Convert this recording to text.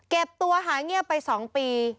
เก็บตัวหายเงียบไป๒ปี